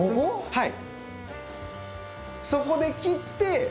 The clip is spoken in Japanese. はい。